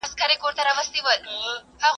زما د زانګو زما د مستۍ زما د نڅا کلی دی